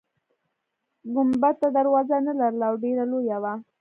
ګنبده دروازه نلرله او ډیره لویه وه.